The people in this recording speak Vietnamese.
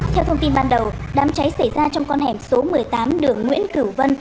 theo thông tin ban đầu đám cháy xảy ra trong con hẻm số một mươi tám đường nguyễn cửu vân